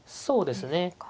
そうですね。